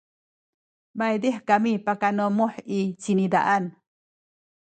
maydih kami pakanamuh i cinizaan